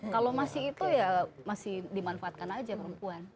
kalau masih itu ya masih dimanfaatkan aja perempuan